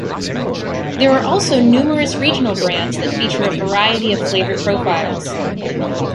There are also numerous regional brands that feature a variety of flavor profiles.